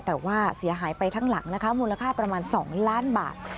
แต่ว่าเสียหายไปทั้งหลังนะคะมูลค่าประมาณ๒ล้านบาท